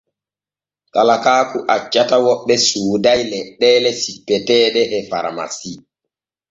Talakaaku accata woɓɓe sooday leɗɗeele sippeteeɗe e faramasi.